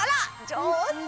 じょうず！